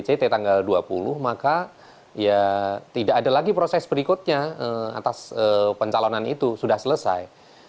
kalau kita melakukan penetapan dct tanggal dua puluh maka ya tidak ada lagi proses berikutnya atas pencalonan itu sudah selesai